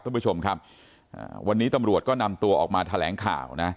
ท่านผู้ชมครับอ่าวันนี้ตำรวจก็นำตัวออกมาแถลงข่าวนะ